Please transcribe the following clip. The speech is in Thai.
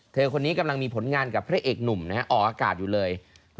เธอคนนี้กำลังมีผลงานกับพระเอกหนุ่มนะฮะออกอากาศอยู่เลย